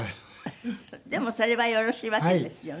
でもそれはよろしいわけですよね。